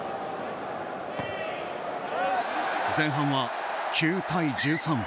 前半は９対１３。